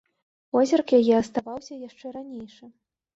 Позірк яе аставаўся яшчэ ранейшы.